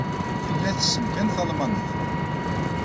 Tella tessen kan talmanit.